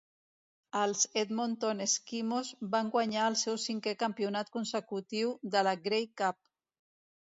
Els Edmonton Eskimos van guanyar el seu cinquè campionat consecutiu de la Grey Cup.